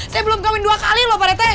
saya belum kawin dua kali loh pak retail